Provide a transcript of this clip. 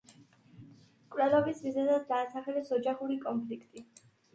მკვლელობის მიზეზად დაასახელეს ოჯახური კონფლიქტი.